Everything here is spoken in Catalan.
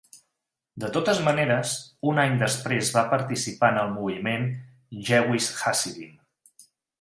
De totes maneres, un any després va participar en el moviment Jewish Hasidim.